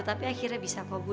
tapi akhirnya bisa kok bu